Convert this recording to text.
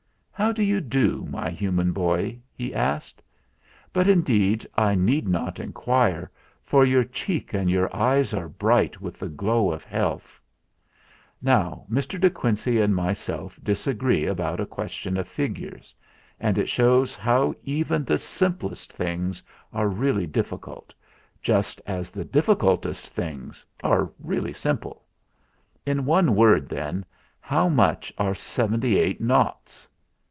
"How do you do, my human boy?" he asked. "But indeed I need not inquire, for your cheek and your eyes are bright with the glow of health. Now, Mr. De Quincey and myself disagree about a question of figures, and it shows how even the simplest things are really difficult, just as the difficultest things are really simple, In one word, then, how much are seventy eight noughts?